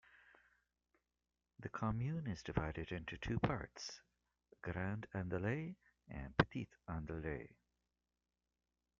The commune is divided into two parts, Grand-Andely and Petit-Andely.